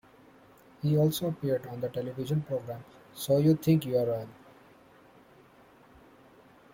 He also appeared on the television programme So You Think You're Royal?